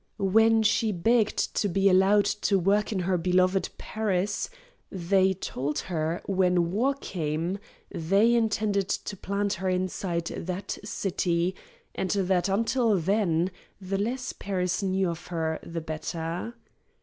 When she begged to be allowed to work in her beloved Paris, "they" told her when war came "they" intended to plant her inside that city, and that, until then, the less Paris knew of her the better.